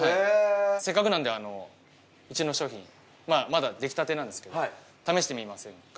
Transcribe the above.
せっかくなんでうちの商品まだ出来立てなんですけど試してみませんか？